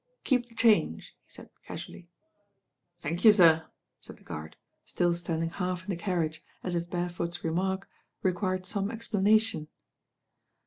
"Keep the change," he said casually. "Thank you, sir," said the guard, still standing half in the carriage, as if Beresford's remark re quired some explanation.